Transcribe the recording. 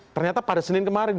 ternyata pada senin kemarin